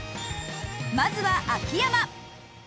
まずは秋山。